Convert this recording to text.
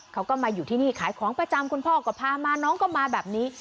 เขาก็มาอยู่ที่นี่ขายของประจำคุณพ่อก็พามาน้องก็มาแบบนี้